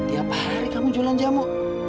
tiap hari kamu jualan jamu